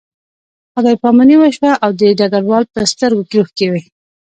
خدای پاماني وشوه او د ډګروال په سترګو کې اوښکې وې